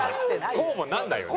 こうもならないよね。